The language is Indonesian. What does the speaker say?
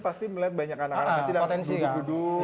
pasti melihat banyak anak anak yang ada duduk duduk